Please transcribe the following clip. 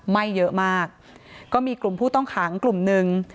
ไหม้เยอะมากก็มีกลุ่มผู้ต้องขังกลุ่มหนึ่ง